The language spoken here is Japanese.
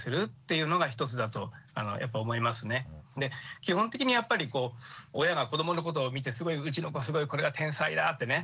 基本的にやっぱりこう親が子どものことを見てすごいうちの子すごいこれが天才だってね思う